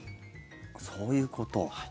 そういうこと。